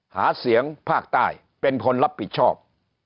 หาเสียงภาคใต้เป็นคนรับผิดชอบ